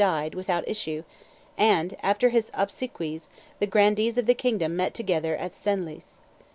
died without issue; and, after his obsequies, the grandees of the kingdom met together at Senlis.